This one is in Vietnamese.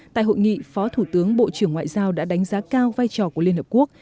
tại hội nghị phó thủ tướng bộ trưởng ngoại giao đã đánh giá cao vai trò của liên hợp quốc